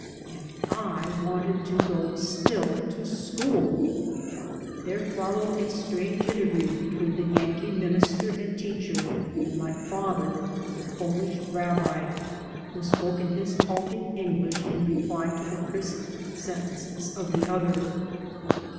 And I wanted to go still to schooll There followed a strange interview between the Yankee min ister and teacher and my father, the Polish rabbi who spoke in his halting English in reply to the crisp sentences of the other.